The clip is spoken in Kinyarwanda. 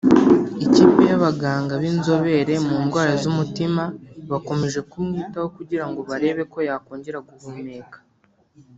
Ikipe y’abaganga b’inzobere mu ndwara z’umutima bakomeje kumwitaho kugira ngo barebe ko yakongera guhumeka